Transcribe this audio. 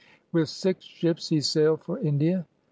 With six ships he sailed for India.